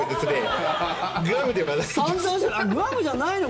グアムじゃないの？